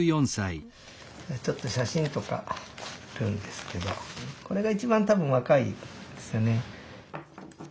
ちょっと写真とかあるんですけどこれが一番多分若いですね。